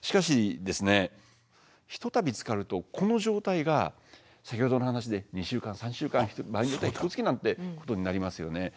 しかしひとたびつかるとこの状態が先ほどの話で２週間３週間場合によってはひとつきなんてことになりますよね。